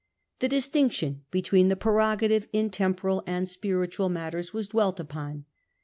The distinction between the prerogative in temporal and spiritual matters was dwelt upon.